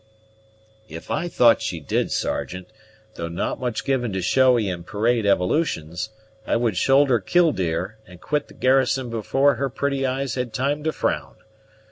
"If I thought she did, Sergeant, though not much given to showy and parade evolutions, I would shoulder Killdeer and quit the garrison before her pretty eyes had time to frown.